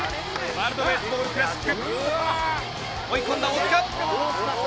ワールドベースボールクラシック追い込んだ大塚。